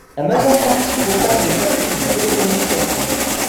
La majeure partie concerne des satellites de télécommunications.